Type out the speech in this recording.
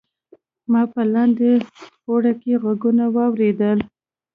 ما په لاندې پوړ کې غږونه واوریدل.